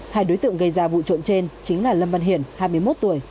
hai đối tượng gây ra vụ trộm trên chính là lâm văn hiển hai mươi một tuổi